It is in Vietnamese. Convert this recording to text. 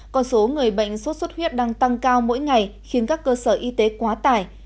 còn số người bệnh sốt xuất huyết đang tăng cao mỗi ngày khiến các cơ sở y tế quá tải